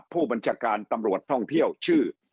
ผู้บัญชาการตำรวจท่องเที่ยวชื่อ